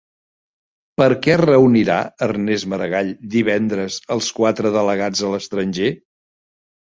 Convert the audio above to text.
Per què reunirà Ernest Maragall divendres els quatre delegats a l'estranger?